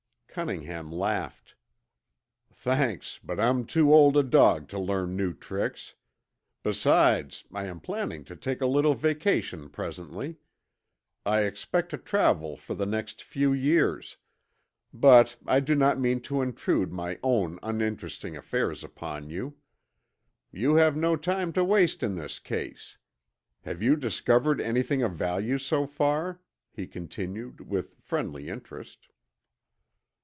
Cunningham laughed. "Thanks, but I'm too old a dog to learn new tricks. Besides, I am planning to take a little vacation presently. I expect to travel for the next few years, but I do not mean to intrude my own uninteresting affairs upon you. You have no time to waste in this case. Have you discovered anything of value so far?" he continued with friendly interest.